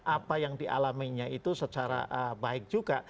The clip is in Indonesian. apa yang dialaminya itu secara baik juga